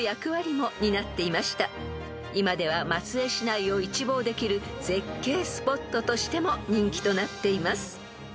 ［今では松江市内を一望できる絶景スポットとしても人気となっています］